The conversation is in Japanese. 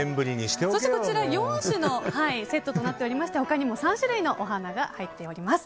そして、こちらは４種のセットになっていまして他にも３種類のお花が入っております。